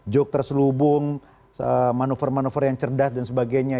joke terselubung manuver manuver yang cerdas dan sebagainya